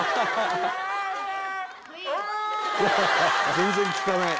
全然聞かない。